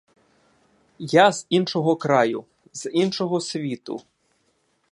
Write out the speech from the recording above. Я з іншого краю, з іншого світу.